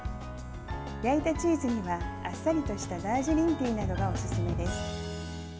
焼いたチーズにはあっさりとしたダージリンティーなどがおすすめです。